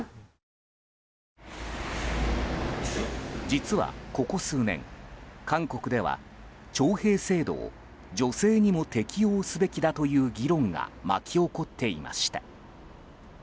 実はここ数年、韓国では徴兵制度を女性にも適用すべきだという議論が巻き起こっていました。